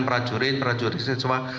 peraturan juridik sejauh mana